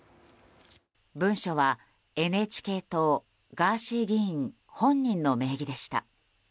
文書はＮＨＫ党ガーシー議員本人の名義でした。